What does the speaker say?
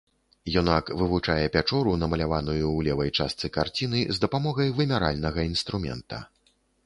Юнак вывучае пячору, намаляваную ў левай частцы карціны, з дапамогай вымяральнага інструмента.